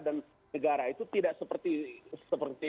dan negara itu tidak seperti itu